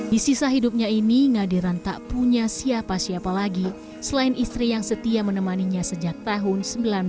di sisa hidupnya ini ngadiran tak punya siapa siapa lagi selain istri yang setia menemaninya sejak tahun seribu sembilan ratus sembilan puluh